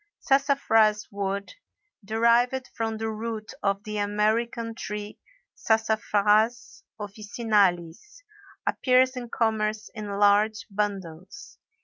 Sassafras wood, derived from the root of the American tree Sassafras officinalis, appears in commerce in large bundles.